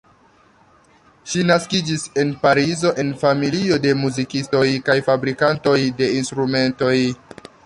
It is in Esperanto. Ŝi naskiĝis en Parizo en familio de muzikistoj kaj fabrikantoj de instrumentoj.